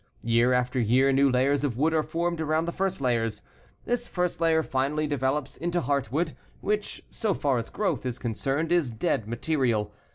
Year after year new layers of wood are formed around the first layers. This first layer finally develops into heartwood, which, so far as growth is concerned, is dead material.